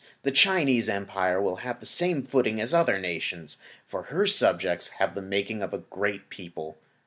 The Chinese Empire will then have the same footing as other nations, for her subjects have the making of a great people.